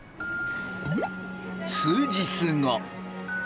数日後。